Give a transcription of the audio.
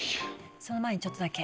その前にちょっとだけ。